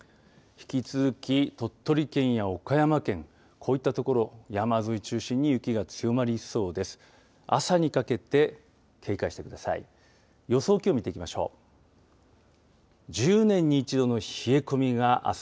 引き続き鳥取県や岡山県こういった所山沿い中心に雪が強まりそうです。